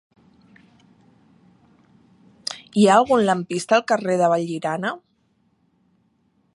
Hi ha algun lampista al carrer de Vallirana?